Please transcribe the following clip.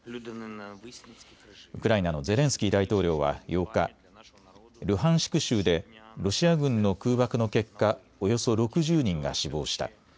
ウクライナのゼレンスキー大統領は８日、ルハンシク州でロシア軍の空爆の結果、およそ６０人が死亡した。